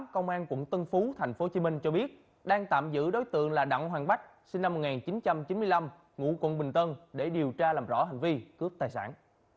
công an quận tân phú tp hcm cho biết đang tạm giữ đối tượng là đặng hoàng bách sinh năm một nghìn chín trăm chín mươi năm ngụ quận bình tân để điều tra làm rõ hành vi cướp tài sản